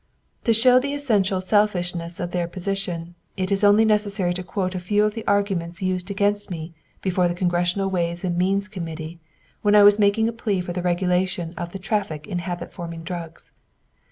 To show the essential selfishness of their position, it is only necessary to quote a few of the arguments used against me before the Congressional Ways and Means Committee when I was making a plea for the regulation of the traffic in habit forming drugs.